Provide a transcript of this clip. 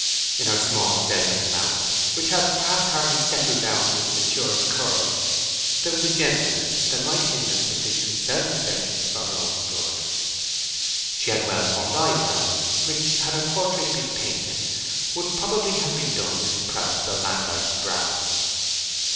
In her small, delicate mouth, which had perhaps hardly settled down to its matured curves, there was a gentleness that might hinder sufficient self assertion for her own good. She had well formed eyebrows which, had her portrait been painted, would probably have been done in Prout's or Vandyke brown.